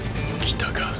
来たかっ